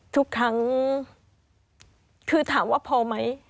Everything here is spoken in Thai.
ทุกครั้งคือถามว่าพอไหม